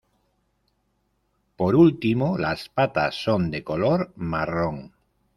Por último, las patas son de color marrón.